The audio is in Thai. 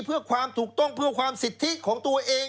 เพื่อความถูกต้องเพื่อความสิทธิของตัวเอง